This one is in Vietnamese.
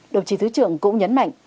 đồng chí thứ trưởng cũng nhấn mạnh